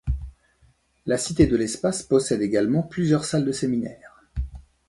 La Cité de l'espace possède également plusieurs salles de séminaire.